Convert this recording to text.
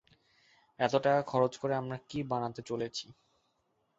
এত টাকা খরচ করে আমরা কী বানাতে চলেছি?